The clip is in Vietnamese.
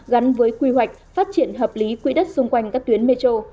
gắn với quy hoạch phát triển hợp lý quỹ đất xung quanh các tuyến metro